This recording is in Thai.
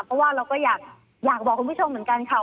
เพราะว่าเราก็อยากบอกคุณผู้ชมเหมือนกันค่ะ